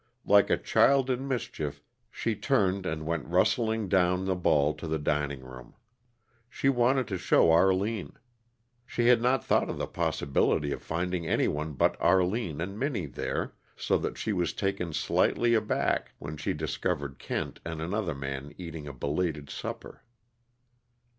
Like a child in mischief, she turned and went rustling down the ball to the dining room. She wanted to show Arline. She had not thought of the possibility of finding any one but Arline and Minnie there, so that she was taken slightly aback when she discovered Kent and another man eating a belated supper.